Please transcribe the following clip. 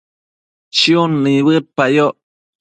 chiun nibëdpayoc